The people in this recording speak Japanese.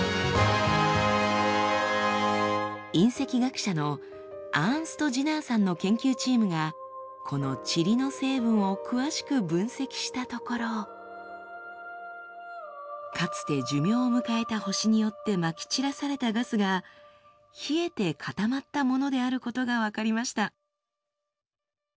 隕石学者のアーンスト・ジナーさんの研究チームがこの塵の成分を詳しく分析したところかつて寿命を迎えた星によってまき散らされたガスが冷えて固まったものであることが分かりました。